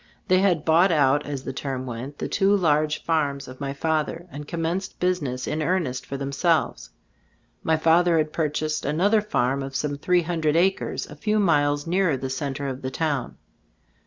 They had "bought out" as the term went, the two large farms of my father, and commenced business in earnest for themselves. My father had purchased another farm of some three hundred acres, a few miles nearer the center of the town.